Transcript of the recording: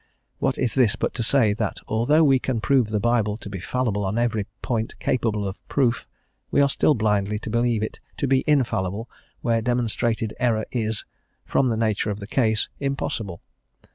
What is this but to say, that although we can prove the Bible to be fallible on every point capable of proof, we are still blindly to believe it to be infallible where demonstrated error is, from the nature of the case, impossible?